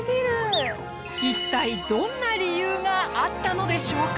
一体どんな理由があったのでしょうか。